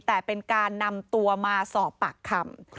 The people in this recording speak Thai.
แต่เป็นการนำตัวมาสอบปากคำ